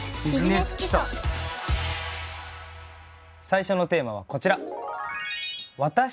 最初のテーマはこちら。